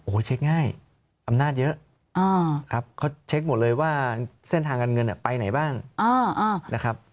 เช็คง่ายอำนาจเยอะครับเขาเช็คหมดเลยว่าเส้นทางการเงินไปไหนบ้างนะครับ